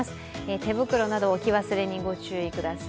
手袋など、置き忘れにご注意ください。